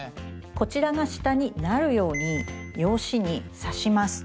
こちらが下になるように用紙に刺します。